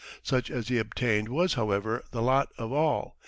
Such as he obtained was, however, the lot of all.